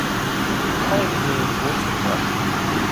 کھائ کھیں بُوڇھ رنگا تُھو۔